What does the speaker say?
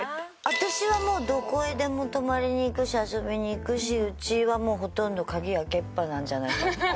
私はもうどこへでも泊まりに行くし遊びに行くしうちはもうほとんど鍵開けっぱなんじゃないかって。